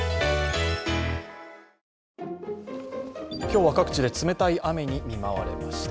今日は各地で冷たい雨に見舞われました。